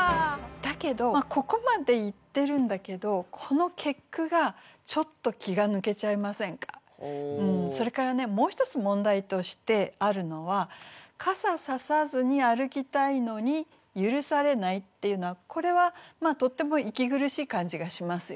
だけどここまで言ってるんだけどそれからねもう一つ問題としてあるのは「傘ささずに歩きたいのにゆるされない」っていうのはこれはとっても息苦しい感じがしますよね。